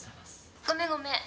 ごめんごめん。